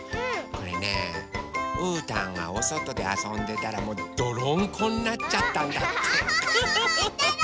これねうーたんがおそとであそんでたらどろんこになっちゃったんだって。